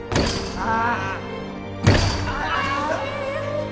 ああ